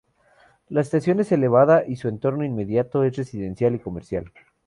La estación es elevada y su entorno inmediato es residencial y comercial.